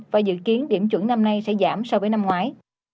và dự kiến điểm chuẩn năm nay sẽ giảm so với năm ngoái